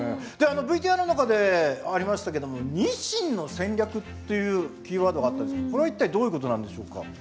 ＶＴＲの中でありましたけどもニシンの戦略というキーワードがあったんですけどこれは一体どういうことなんでしょうか？